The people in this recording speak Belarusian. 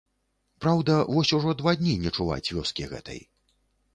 Праўда, вось ужо два дні не чуваць вёскі гэтай.